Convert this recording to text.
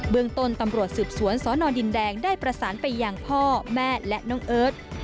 เมืองต้นตำรวจสืบสวนสนดินแดงได้ประสานไปยังพ่อแม่และน้องเอิร์ท